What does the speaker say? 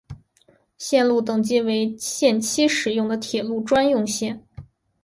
线路等级为限期使用的铁路专用线。